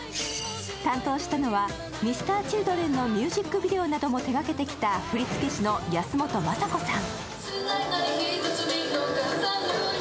担当したのはＭｒ．Ｃｈｉｌｄｒｅｎのミュージックビデオなども手掛けてきた振り付け師の康本雅子さん。